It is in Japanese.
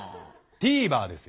「ＴＶｅｒ」ですよ。